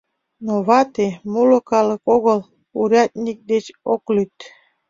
Но вате — моло калык огыл, урядник деч ок лӱд.